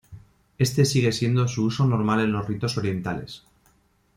Este sigue siendo su uso normal en los ritos orientales.